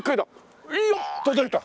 届いた！